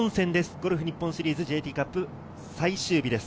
ゴルフ日本シリーズＪＴカップ最終日です。